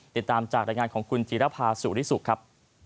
ติดตามจากรายงานของคุณจีรภาสุริสุขครับ